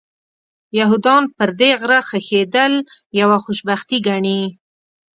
یهودان پر دې غره ښخېدل یوه خوشبختي ګڼي.